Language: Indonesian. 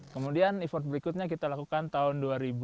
kemudian efort berikutnya kita lakukan tahun dua ribu enam belas